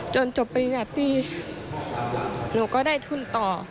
จบปริญญาตรีหนูก็ได้ทุนต่อ